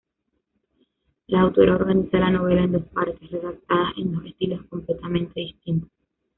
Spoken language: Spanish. La autora organiza la novela en dos partes, redactadas en dos estilos completamente distintos.